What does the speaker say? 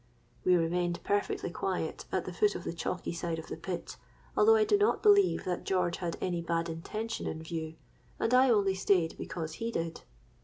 '—We remained perfectly quiet at the foot of the chalky side of the pit; although I do not believe that George had any bad intention in view, and I only stayed because he did.